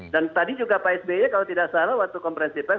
dan tadi juga pak sby kalau tidak salah waktu kompresi pes